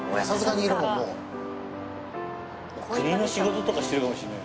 家の仕事とかしてるかもしれない。